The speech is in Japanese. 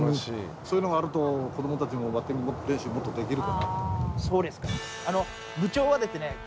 そういうのがあると子供たちもバッティング練習もっとできる。